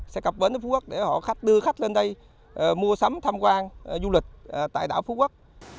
sẽ cập vấn với phú quốc để họ đưa khách lên đây mua sắm tham quan du lịch tại đảo phú quốc